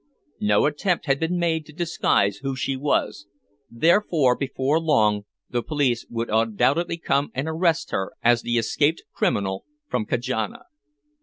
No attempt had been made to disguise who she was, therefore before long the police would undoubtedly come and arrest her as the escaped criminal from Kajana.